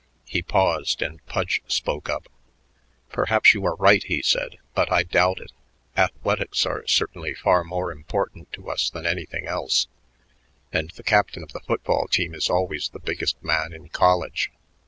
He paused, and Pudge spoke up. "Perhaps you are right," he said, "but I doubt it. Athletics are certainly far more important to us than anything else, and the captain of the football team is always the biggest man in college.